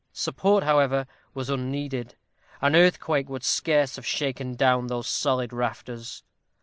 Support, however, was unneeded; an earthquake would scarce have shaken down those solid rafters.